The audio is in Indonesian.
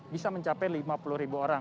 bisa mencapai lima puluh ribu orang